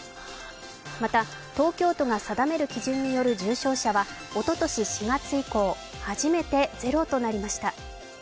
また東京都が定める基準による重症者は、おととし４月以降、初めてゼロとなりました。